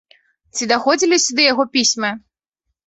Ці даходзілі сюды яго пісьмы?